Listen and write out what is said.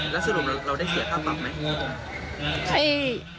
แล้วสรุปเราได้เสียค่าปรับไหม